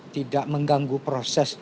tidak mengganggu proses